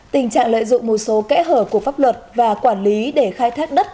tình trạng lợi dụng một số kẽ hở của pháp luật và quản lý để khai thác đất